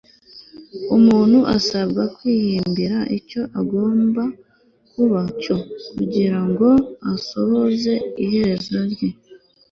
umuntu asabwa kwihimbira icyo agomba kuba cyo kugira ngo asohoze iherezo rye